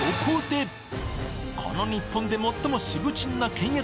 この日本で最もしぶちんな倹約